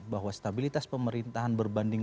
bahwa stabilitas pemerintahan berbanding